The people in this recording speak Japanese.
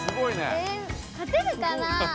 え勝てるかな？